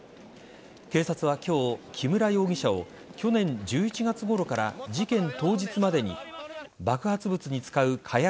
警察は今日、木村容疑者を去年１１月ごろから事件当日までに爆発物に使う火薬